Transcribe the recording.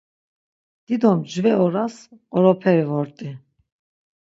Dido mcve oras qoroperi vort̆i...